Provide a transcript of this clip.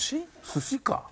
寿司か。